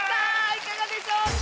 いかがでしょうか？